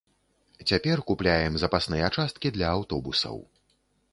Цяпер купляем запасныя часткі для аўтобусаў.